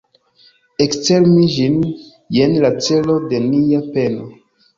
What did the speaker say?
Ekstermi ĝin, jen la celo de nia peno.